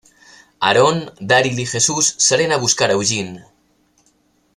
Aaron, Daryl y Jesús salen a buscar a Eugene.